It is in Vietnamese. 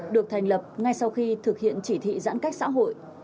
được thành lập ngay sau khi thực hiện chỉ thị giãn cách xã hội